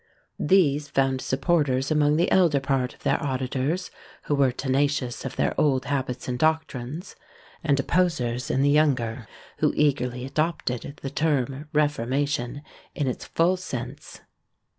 " These found supporters among the elder part of their auditors, who were tenacious of their old habits and doctrines; and opposers in the younger, who eagerly adopted the term Reformation in its full sense.